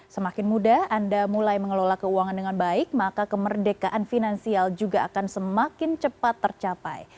semakin mudah anda mulai mengelola keuangan dengan baik maka kemerdekaan finansial juga akan semakin cepat tercapai